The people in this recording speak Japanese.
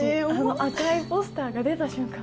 赤いポスターが出た瞬間